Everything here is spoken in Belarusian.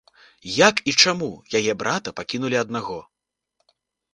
Як і чаму яе брата пакінулі аднаго?